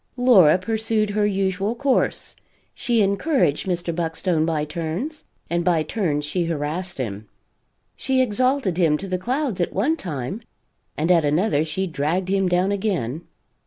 Laura pursued her usual course: she encouraged Mr. Buckstone by turns, and by turns she harassed him; she exalted him to the clouds at one time, and at another she dragged him down again.